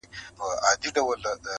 ميره مي نه ليده، تر مور مينه.